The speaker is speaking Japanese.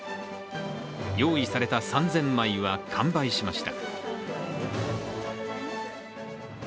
用意された３０００枚は完売しました。